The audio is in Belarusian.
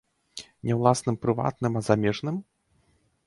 Не ўласным прыватным, а замежным?